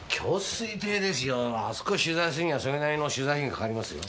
あそこ取材するにはそれなりの取材費がかかりますよ。